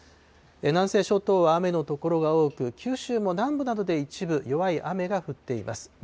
南西諸島は雨の所が多く、九州も南部などで一部弱い雨が降っています。